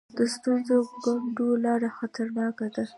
د سټو کنډو لاره خطرناکه ده